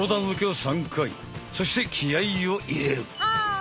そして気合いを入れる！